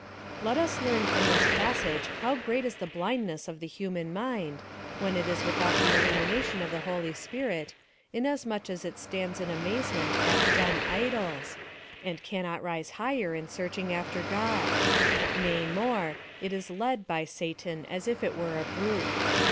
Let us learn from this passage how great is the blindness of the human mind, when it is without the illumination of the Holy Spirit, inasmuch as it stands in amazement at dumb idols,^ and cannot rise higher in searching after God ; nay more, it is led by Satan as if it were a brute."